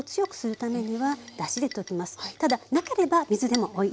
ただなければ水でもいいですよ。